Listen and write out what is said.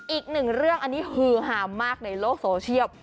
อีกหนึ่งเรื่องอันนี้ฮือฮามากในโลกโซเชียล